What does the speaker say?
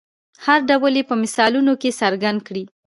هر ډول یې په مثالونو کې څرګند کړئ.